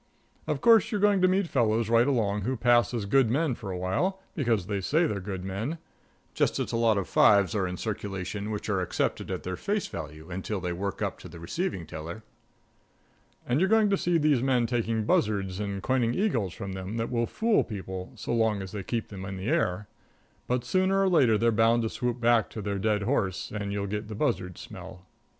Of course, you're going to meet fellows right along who pass as good men for a while, because they say they're good men; just as a lot of fives are in circulation which are accepted at their face value until they work up to the receiving teller. And you're going to see these men taking buzzards and coining eagles from them that will fool people so long as they can keep them in the air; but sooner or later they're bound to swoop back to their dead horse, and you'll get the buzzard smell.